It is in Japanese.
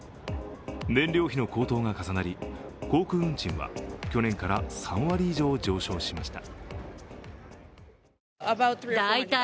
燃料費の高騰が重なり、航空運賃は去年から３割以上上昇しました。